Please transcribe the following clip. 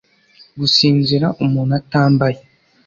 Gusinzira umuntu atambaye